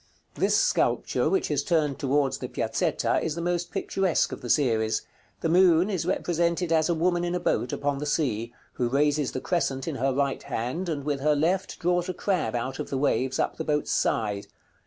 This sculpture, which is turned towards the Piazzetta, is the most picturesque of the series. The moon is represented as a woman in a boat, upon the sea, who raises the crescent in her right hand, and with her left draws a crab out of the waves, up the boat's side.